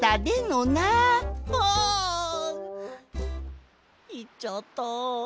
あ！いっちゃった。